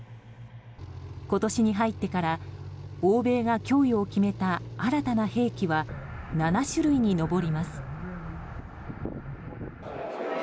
今年に入ってから欧米が供与を決めた新たな兵器は７種類に上ります。